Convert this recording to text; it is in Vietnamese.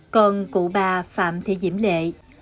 còn cụ bà phạm thị diễm lệ